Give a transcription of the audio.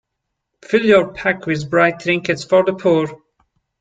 Fill your pack with bright trinkets for the poor.